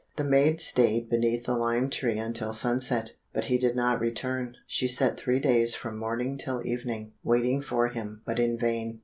The maid stayed beneath the lime tree until sunset, but he did not return. She sat three days from morning till evening, waiting for him, but in vain.